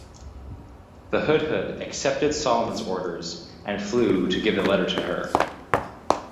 The Hud-hud accepted Solomon's orders, and flew to give the letter to her.